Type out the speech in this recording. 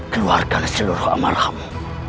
keluarkan seluruh amarahmu